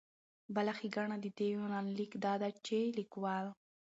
بله ښېګنه د دې يونليک دا ده چې ليکوال